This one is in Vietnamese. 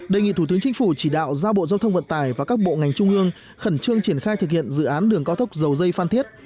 đề nghị thủ tướng chính phủ chỉ đạo giao bộ giao thông vận tải và các bộ ngành trung ương khẩn trương triển khai thực hiện dự án đường cao tốc dầu dây phan thiết